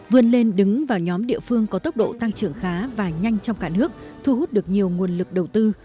vươn lên đứng vào nhóm địa phương có tốc độ tăng trưởng khá và nhanh trong cả nước thu hút được nhiều nguồn lực đầu tư